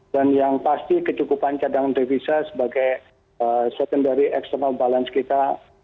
dan yang pasti kecukupan cadangan devisa sebagai secondary external balance kita